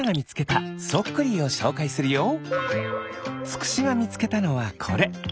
つくしがみつけたのはこれ。